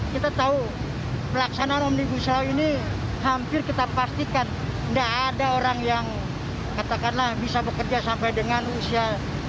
kita tahu pelaksanaan omnibus law ini hampir kita pastikan nggak ada orang yang katakanlah bisa bekerja sampai dengan usia